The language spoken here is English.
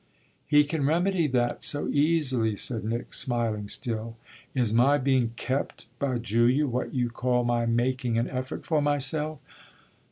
"He can remedy that so easily," said Nick, smiling still. "Is my being kept by Julia what you call my making an effort for myself?"